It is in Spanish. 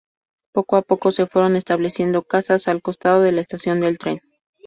Poco a poco se fueron estableciendo casas al costado de la estación de tren.